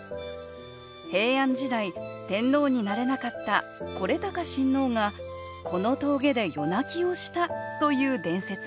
平安時代天皇になれなかった惟喬親王がこの峠で夜泣きをしたという伝説があります